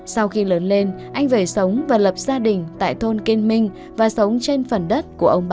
sau khi lớn lên anh về sống và lập gia đình tại thôn kiên minh và sống trên phần đất